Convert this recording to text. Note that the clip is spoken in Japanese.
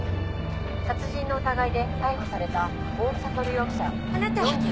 殺人の疑いで逮捕された大木悟容疑者４５歳。